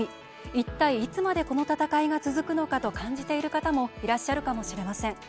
一体、いつまでこの闘いが続くのかと感じている方もいらっしゃるかもしれません。